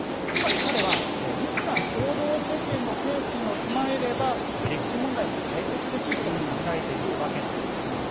つまり、彼は日韓共同宣言の精神を踏まえれば歴史問題も解決できると考えているわけなんです。